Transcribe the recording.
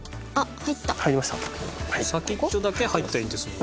先っちょだけ入ったらいいんですもんね。